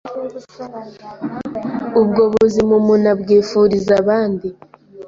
ubwo buzima umuntu abwifuriza abandi